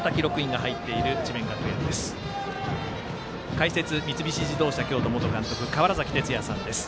解説、三菱自動車京都元監督川原崎哲也さんです。